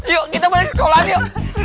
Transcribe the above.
ya kita balik sekolah yo